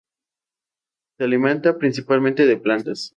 Se alimenta principalmente de plantas.